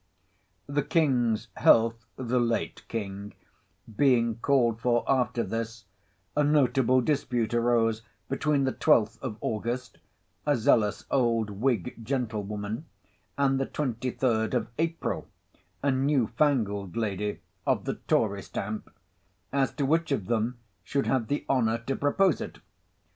The King's health being called for after this, a notable dispute arose between the Twelfth of August (a zealous old Whig gentlewoman,) and the Twenty Third of April (a new fangled lady of the Tory stamp,) as to which of them should have the honour to propose it.